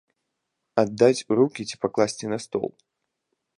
Аддаць у рукі ці пакласці на стол?